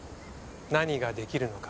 何ができるのか？